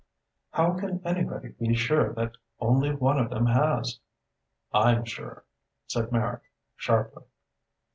"How can anybody be sure that only one of them has?" "I'm sure," said Merrick sharply.